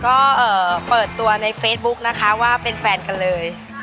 ก็เปิดตัวในเฟซบุ๊กนะคะว่าเป็นแฟนกันเลย